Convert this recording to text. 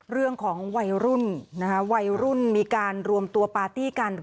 เรื่องของวัยรุ่นนะคะวัยรุ่นมีการรวมตัวปาร์ตี้กัน